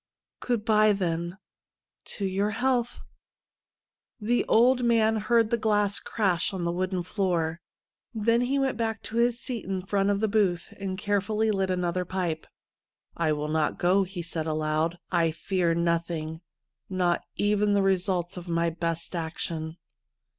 ' Good bye, then. To your health ' The old man heard the glass crash on the wooden floor, then he .went back to his seat in front of the booth, and carefully lit another pipe. ' I will not go," he said aloud. ' I fear nothing — not even the results of my best action.'